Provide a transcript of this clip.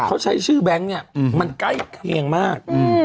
เขาใช้ชื่อแบงค์เนี่ยมันใกล้เคียงมาก